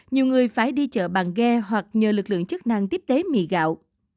nhiều người phải đi chợ bằng ghe hoặc nhờ lực lượng chức năng tiếp tế mì gạo